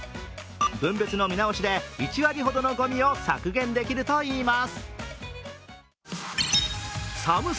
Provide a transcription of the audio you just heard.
分別の見直しで、１割ほどのごみを削減できるといいます。